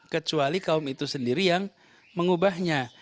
kecuali kaum itu sendiri yang mengubahnya